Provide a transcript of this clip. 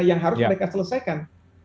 yang harus mereka selesaikan